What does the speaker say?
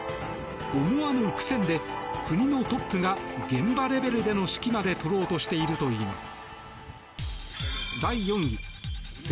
思わぬ苦戦で国のトップが現場レベルの指揮まで取ろうとしているといいます。